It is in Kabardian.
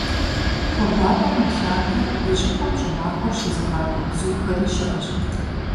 Хуабапӏэм мылъатэу ди щӏыпӏэм щӏымахуэр щызыгъакӏуэ бзухэри щыӏэщ.